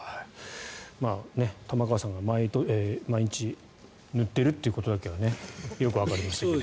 玉川さんが毎日塗っているということだけはよくわかりましたけど。